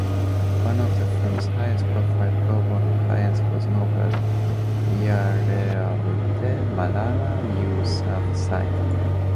One of the firm's highest-profile pro bono clients was Nobel laureate Malala Yousafzai.